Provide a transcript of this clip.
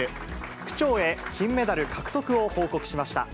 区長へ金メダル獲得を報告しました。